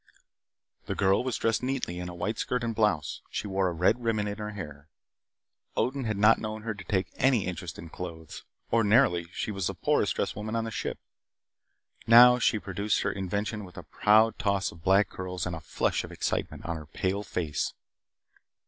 The girl was dressed neatly in a white skirt and blouse. She wore a red ribbon in her hair. Odin had not known her to take any interest in clothes. Ordinarily she was the poorest dressed woman on the ship. Now, she produced her invention with a proud toss of black curls and a flush of excitement on her pale face.